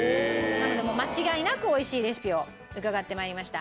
なのでもう間違いなく美味しいレシピを伺って参りました。